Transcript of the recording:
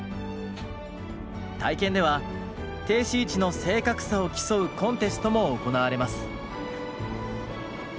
体験では停止位置の正確さを競うコンテストも行われます。